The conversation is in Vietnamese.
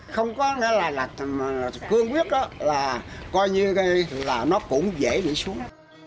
không có cương quyết là coi như là nó cũng dễ bị xuống